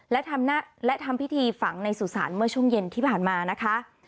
และทำพิธีฝังในสุสานเมื่อช่วงเย็นที่ผ่านมานะคะ